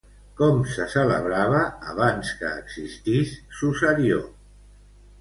Com se celebrava, abans que existís Susarió?